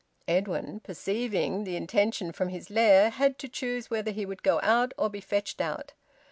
Edwin, perceiving the intention from his lair, had to choose whether he would go out or be fetched out.